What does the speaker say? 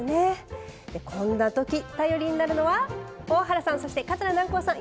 こんなとき頼りになるのは大原さんそして桂南光さん